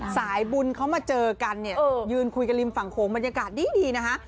สายบุญเขามาเจอกันเนี่ยยืนคุยกันริมฝั่งโขงบรรยากาศดีนะฮะ